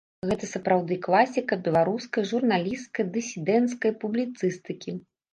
Гэта сапраўды класіка беларускай журналісцкай, дысідэнцкай публіцыстыкі.